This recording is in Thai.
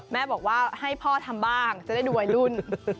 แม่บอกว่าให้พ่อทำบ้างจะได้ดูวัยรุ่น